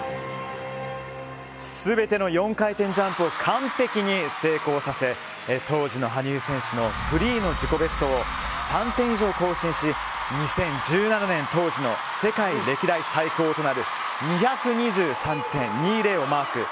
全ての４回転ジャンプを完璧に成功させ当時の羽生選手のフリーの自己ベストを３点以上更新し２０１７年当時の世界歴代最高となる２２３．２０をマーク。